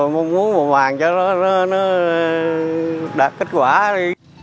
mua mua màng cho nó đạt kết quả đi